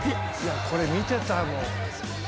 これ見てたもん。